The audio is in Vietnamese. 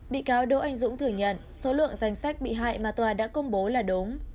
bị cáo đỗ anh dũng thừa nhận số lượng danh sách bị hại mà tòa đã công bố là đúng